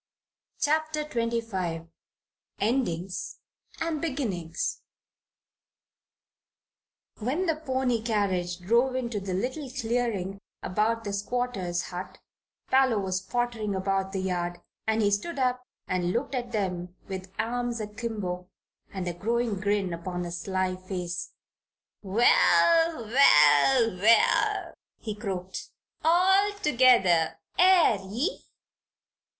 CHAPTER XXV ENDINGS AND BEGINNINGS When the pony carriage drove into the little clearing about the squatter's hut, Parloe was pottering about the yard and he stood up and looked at them with arms akimbo and a growing grin upon his sly face. "Well, well, well!" he croaked. "All together, air ye?